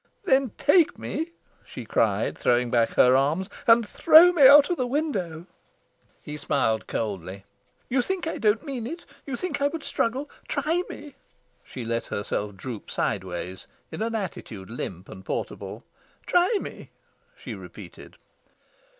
"Then take me," she cried, throwing back her arms, "and throw me out of the window." He smiled coldly. "You think I don't mean it? You think I would struggle? Try me." She let herself droop sideways, in an attitude limp and portable. "Try me," she repeated.